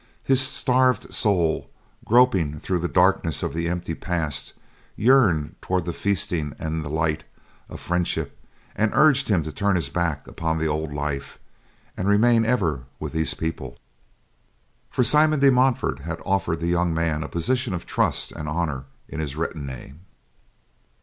His starved soul, groping through the darkness of the empty past, yearned toward the feasting and the light of friendship, and urged him to turn his back upon the old life, and remain ever with these people, for Simon de Montfort had offered the young man a position of trust and honor in his retinue.